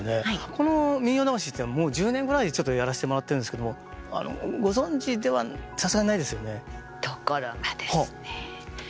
この「民謡魂」っていうのはもう１０年ぐらいちょっとやらせてもらってるんですけどご存じではさすがにないですよね。